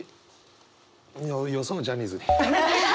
よそうジャニーズに。